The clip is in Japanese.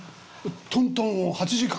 トントンを８時間？